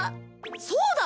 そうだ！